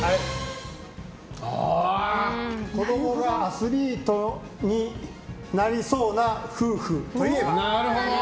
子供がアスリートになりそうな夫婦といえば？